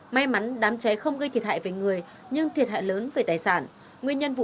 may mắn đám cháy không gây thiệt hại về người nhưng thiệt hại lớn về tài sản nguyên nhân vụ